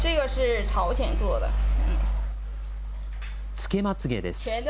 つけまつげです。